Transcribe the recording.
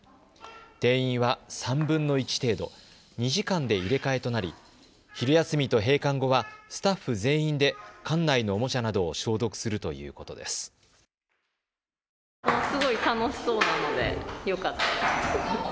定員は３分の１程度、２時間で入れ替えとなり昼休みと閉館後はスタッフ全員で館内のおもちゃなどを消毒するということです。